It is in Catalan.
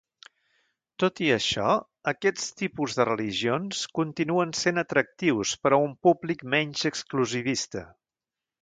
Tot i això, aquests tipus de religions continuen sent atractius per a un públic menys exclusivista.